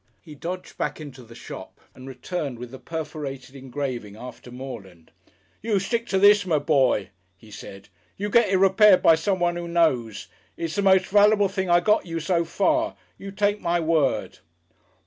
He dodged back into the shop and returned with the perforated engraving after Morland. "You stick to this, my boy," he said. "You get it repaired by someone who knows. It's the most vallyble thing I got you so far, you take my word."